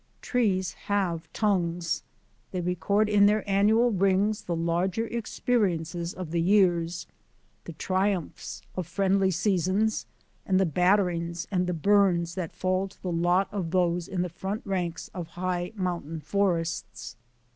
Trees have tongues. They record in their an nual rings the larger experiences of the years, the triumphs of friendly seasons, and the batterings and the burns that fall to the lot of those in the front ranks of high mountain forests.